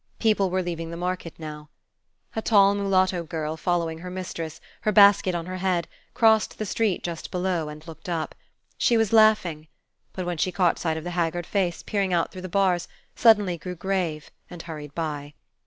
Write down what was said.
People were leaving the market now. A tall mulatto girl, following her mistress, her basket on her head, crossed the street just below, and looked up. She was laughing; but, when she caught sight of the haggard face peering out through the bars, suddenly grew grave, and hurried by.